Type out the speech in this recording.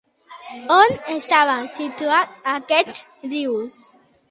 On estava situat aquest riu?